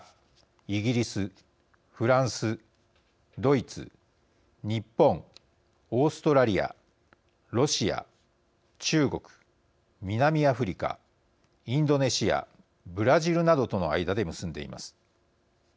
イギリスフランス、ドイツ、日本オーストラリア、ロシア、中国南アフリカ、インドネシアブラジルなどとの間で結んでいます。